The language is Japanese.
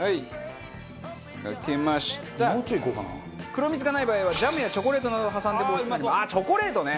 黒みつがない場合はジャムやチョコレートなどを挟んでもチョコレートね。